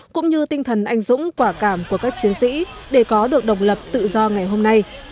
cũng như tinh thần anh dũng quả cảm của các chiến sĩ để có được độc lập tự do ngày hôm nay